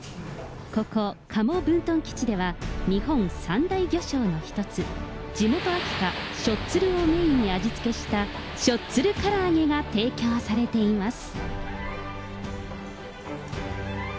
ここ、加茂分屯基地では、日本三大漁礁の一つ、地元、秋田、しょっつるをメインに味付けした、しょっつる空上げが提供されています。